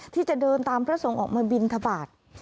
ที่จะเดินตามพระสงฆ์ออกมาบินทบาท